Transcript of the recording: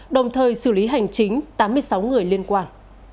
đồng thời xử lý hành chính tám mươi sáu người liên quan